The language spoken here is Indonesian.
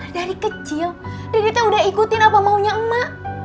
dari kecil dirinya udah ikutin apa maunya emak